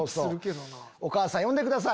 お母さん呼んでください。